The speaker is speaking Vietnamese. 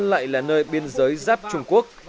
lại là nơi biên giới giáp trung quốc